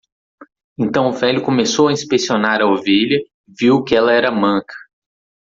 Então o velho começou a inspecionar a ovelha e viu que ela era manca.